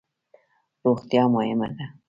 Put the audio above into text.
روغتیا مهمه ده